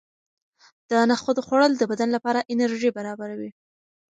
د نخودو خوړل د بدن لپاره انرژي برابروي.